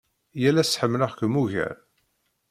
Yal ass ḥemmleɣ-kem ugar.